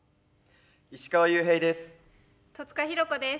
石川裕平です。